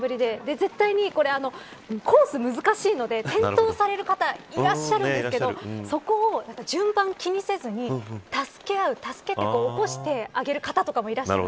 絶対に、コース難しいので転倒される方いらっしゃるんですけどそこを順番を気にせずに助け合う助けて起こしてあげる方とかもいらっしゃる。